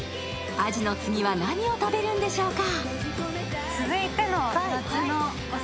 アジの次は何を食べるんでしょうか。